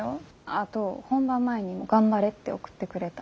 あと本番前にも「ガンバレ！」って送ってくれた。